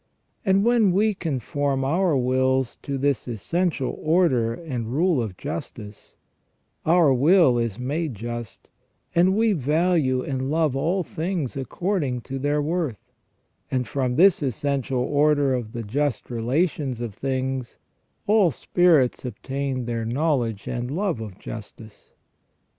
And when we con form our wills to this essential order and rule of justice, our will is made just, and we value and love all things according to their worth ; and from this essential order of the just relations of things all spirits obtain their knowledge and love of justice.